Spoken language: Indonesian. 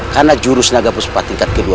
karena jurus negara puspa tingkat kedua